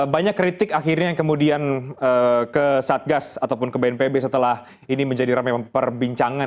banyak kritik akhirnya yang kemudian ke satgas ataupun ke bnpb setelah ini menjadi ramai perbincangan